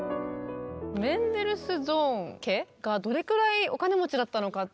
メンデルスゾーン家がどれくらいお金持ちだったのか紹介していきます。